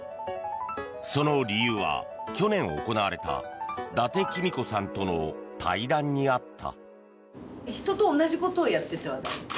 その理由は、去年行われた伊達公子さんとの対談にあった。